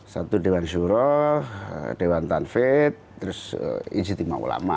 satu dewan syuroh dewan tanfet terus insitimah ulama